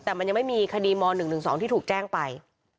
แต่มันยังไม่มีคดีม๑๑๒ที่ถูกแจ้งไป